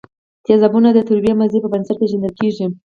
تیزابونه د تروې مزې په بنسټ پیژندل کیږي.